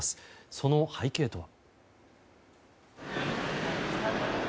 その背景とは？